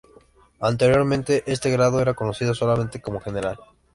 Anteriormente este grado era conocido solamente como general.